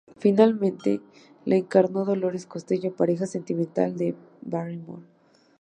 Finalmente la encarnó Dolores Costello, pareja sentimental de Barrymore.